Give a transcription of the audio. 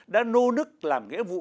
đã nô nức làm nghĩa vụ